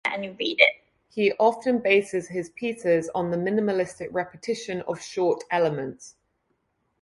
He often bases his pieces on the minimalistic repetition of short elements.